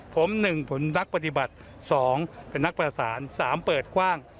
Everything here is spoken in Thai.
ผมหนึ่งผมเป็นนักปฏิบัติสองเป็นนักประสานสามเปิดกว้าง